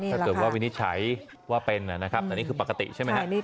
ถ้าเกิดว่าวินิจฉัยว่าเป็นนะครับแต่นี่คือปกติใช่ไหมครับ